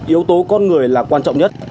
yếu tố con người là quan trọng nhất